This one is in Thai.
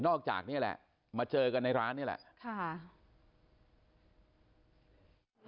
นอกจากเนี้ยแหละมาเจอกันในร้านเนี้ยแหละค่ะ